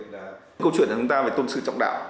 đặc biệt là câu chuyện của chúng ta về tôn sư trọng đạo